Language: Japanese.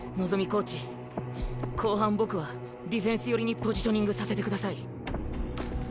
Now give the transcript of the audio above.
コーチ後半僕はディフェンス寄りにポジショニングさせてください。